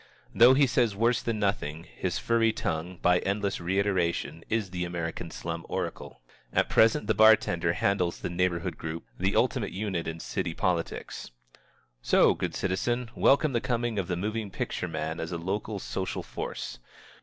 Though he says worse than nothing, his furry tongue, by endless reiteration, is the American slum oracle. At the present the bar tender handles the neighborhood group, the ultimate unit in city politics. So, good citizen, welcome the coming of the moving picture man as a local social force.